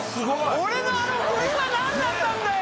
兇あのフリは何だったんだよ！